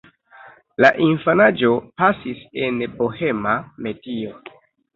La infanaĝo pasis en bohema medio.